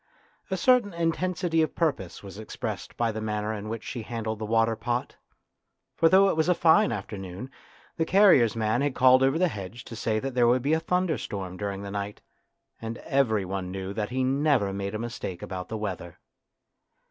A certain intensity of purpose was expressed by the manner in which she handled the water pot. For though it was a fine afternoon the carrier's man had called over the hedge to say that there would be a thunderstorm during the night, and every one knew that he never made a mistake about the weather.